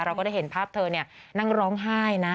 เราก็ได้เห็นภาพเธอนั่งร้องไห้นะ